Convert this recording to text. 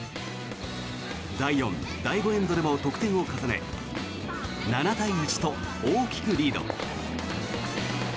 第４、第５エンドでも得点を重ね７対１と大きくリード。